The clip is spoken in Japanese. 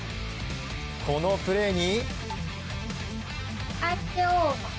このプレーに。